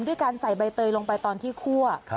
ด้วยการใส่ใบเตยลงไปตอนที่คั่ว